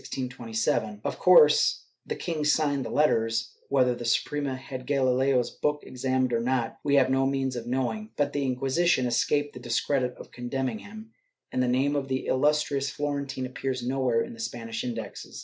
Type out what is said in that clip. ^ Of course the king signed the letters; whether the Suprema had Gahleo's book examined or not, we have no means of knowing, but the Inqui sition escaped the discredit of condemning him, and the name of the illustrious Florentine appears nowhere in the Spanish Indexes.